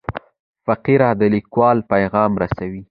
فقره د لیکوال پیغام رسوي.